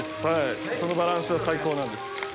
そのバランスが最高なんです。